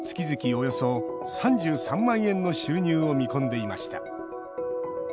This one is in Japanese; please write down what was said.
およそ３３万円の収入を見込んでいました。